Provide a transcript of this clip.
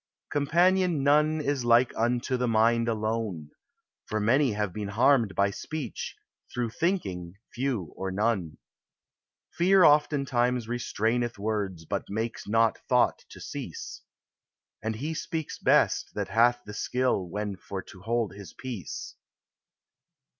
Companion none is like unto the mind alone, For many have been harmed by speech, — through thinking, few or none ; Fear oftentimes restraineth words, but makes not thought to cease ; And he speaks best that hath the skill when for to hold his peace.